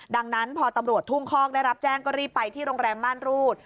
ดังนั้นพอตำรวจทุ่งคอกได้รับแจ้งก็รีบไปที่โรงแรมม่านรูด